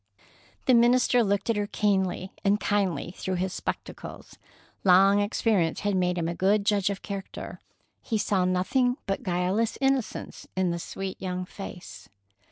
The minister looked at her keenly and kindly through his spectacles. Long experience had made him a good judge of character. He saw nothing but guileless innocence in the sweet young face.